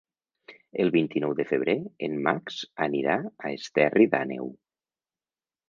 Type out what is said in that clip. El vint-i-nou de febrer en Max anirà a Esterri d'Àneu.